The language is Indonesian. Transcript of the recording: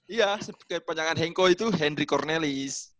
iya sepanjangnya henko itu hendry cornelis